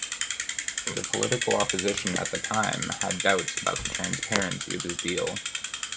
The political opposition at that time had doubts about the transparency of this deal.